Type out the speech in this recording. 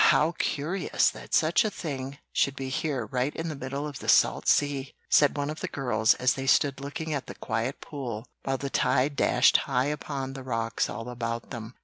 "How curious that such a thing should be here right in the middle of the salt sea!" said one of the girls, as they stood looking at the quiet pool while the tide dashed high upon the rocks all about them.